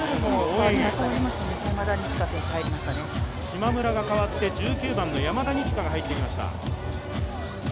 島村が代わって、１９番の山田二千華が入りました。